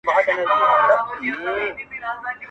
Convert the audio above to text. نه په حورو پسي ورک به ماشومان سي-